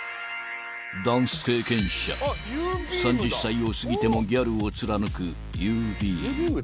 ［ダンス経験者３０歳を過ぎてもギャルを貫くゆーびーむ☆］